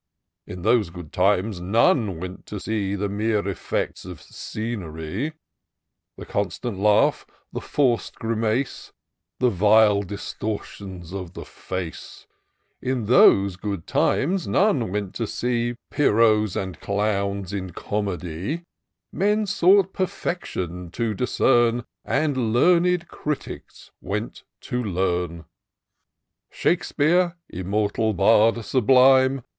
In those good times none went to see The mere effects of scenery ; The constant laugh, the forc'd grimace. The vile distortions of the fiace ; In those good times none went to see Pierots and Chums in Comedy. Men sought perfection to discern. And learned critics went to learn. '^ Shakespeare, immortal Bard sublime!